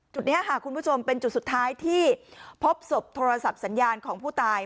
จุดนี้ค่ะคุณผู้ชมเป็นจุดสุดท้ายที่พบศพโทรศัพท์สัญญาณของผู้ตาย